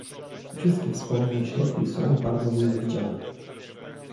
Wszystkie wspomniane środki są bardzo mile widziane